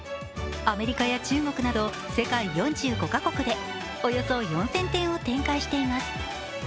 アメリカや中国など世界４５か国でおよそ４０００店を展開しています。